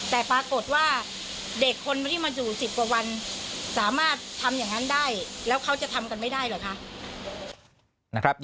แต่ปรากฏว่าเด็กคนที่มาอยู่๑๐กว่าวันสามารถทำอย่างนั้นได้แล้วเขาจะทำกันไม่ได้เหรอคะ